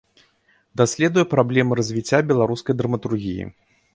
Даследуе праблемы развіцця беларускай драматургіі.